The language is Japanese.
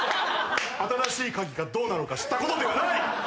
『新しいカギ』がどうなろうか知ったことではない！